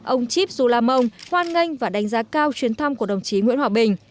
ông chip zulamong hoan nghênh và đánh giá cao chuyến thăm của đồng chí nguyễn hòa bình